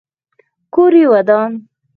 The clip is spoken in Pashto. کور یې ودان.